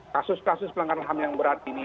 kasus kasus pelanggaran ham yang berat ini